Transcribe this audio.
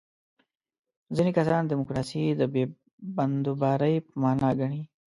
ځینې کسان دیموکراسي د بې بندوبارۍ په معنا ګڼي.